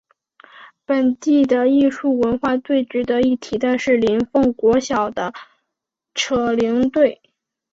本地的艺术文化最值得一提的是林凤国小的扯铃队。